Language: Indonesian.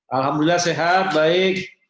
alhamdulillah sehat baik